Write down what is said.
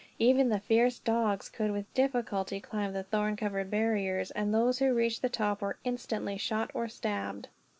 Even the fierce dogs could with difficulty climb the thorn covered barriers, and those who reached the top were instantly shot, or stabbed.